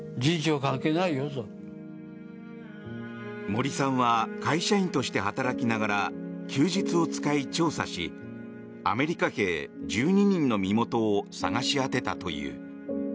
森さんは会社員として働きながら休日を使い、調査しアメリカ兵１２人の身元を探し当てたという。